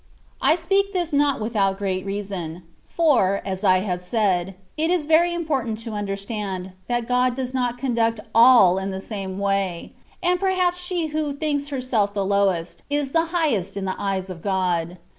I speak this not without great reason ; for (as I have said) it is very important to understand, that God does not conduct all in the same way ; and perhaps she who thinks herself the lowest, is the highest in the eyes of God.